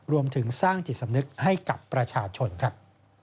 รวมถึงสร้างจิตสำนึกให้กับประชาชนครับ